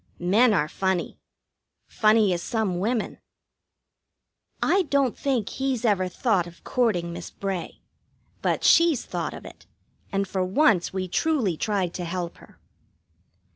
Men are funny funny as some women. I don't think he's ever thought of courting Miss Bray. But she's thought of it, and for once we truly tried to help her.